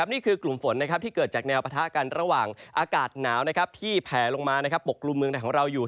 นี่คือกลุ่มฝนที่เกิดจากแนวปะทะกันระหว่างอากาศหนาวที่แผลลงมาปกกลุ่มเมืองไทยของเราอยู่